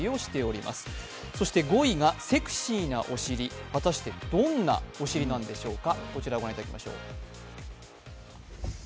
そして５位がセクシーなお尻、果たしてどんなお尻なんでしょうか。